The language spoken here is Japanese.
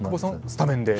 スタメンで。